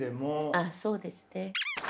あっそうですね。